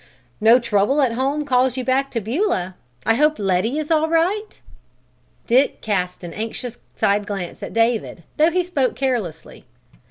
No trouble at home calls you back to Beulah? I hope Letty is all right?" Dick cast an anxious side glance at David, though he spoke carelessly.